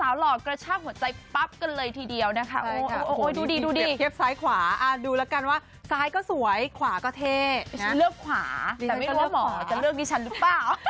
ไม่ใช่เลือกขวาแต่ไม่รู้ว่าหมอจะเลือกดิฉันหรือเปล่า